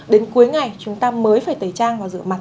đến cuối ngày chúng ta mới phải tẩy trang và rửa mặt